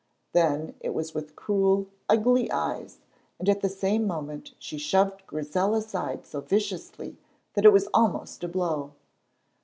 Then it was with cruel, ugly eyes, and at the same moment she shoved Grizel aside so viciously that it was almost a blow.